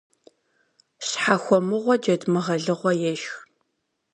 Щхьэхуэмыгъуэ джэд мыгъэлыгъуэ ешх.